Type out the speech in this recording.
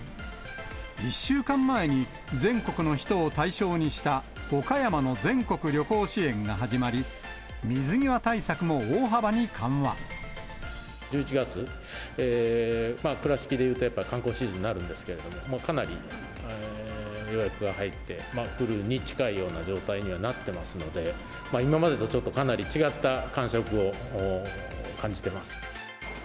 １週間前に全国の人を対象にした岡山の全国旅行支援が始まり、１１月、倉敷でいうとやっぱ観光シーズンになるんですけれども、もうかなり予約が入って、フルに近いような状態にはなってますので、今までとちょっとかなり違った感触を感じてます。